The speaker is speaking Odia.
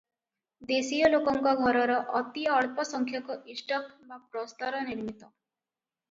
ଦେଶୀୟଲୋକଙ୍କ ଘରର ଅତିଅଳ୍ପ ସଂଖ୍ୟକ ଇଷ୍ଟକ ବା ପ୍ରସ୍ତର ନିର୍ମିତ ।